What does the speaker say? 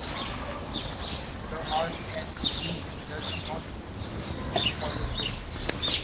The R and A does not follow suit.